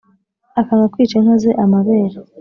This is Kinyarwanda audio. Akanga kwica inka ze amabere!